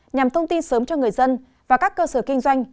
nhằm thông tin sớm cho người dân và các cơ sở kinh doanh